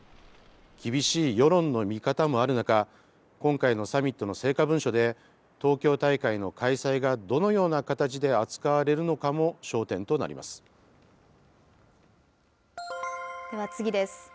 厳しい世論の見方もある中、今回のサミットの成果文書で、東京大会の開催がどのような形で扱では次です。